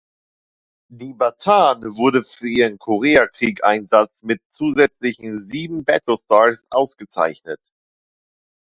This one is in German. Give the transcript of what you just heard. Die "Bataan" wurde für ihren Koreakrieg-Einsatz mit zusätzlichen sieben "Battle Stars" ausgezeichnet.